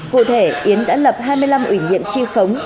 cụ thể yến đã lập hai mươi năm ủy nhiệm tri khống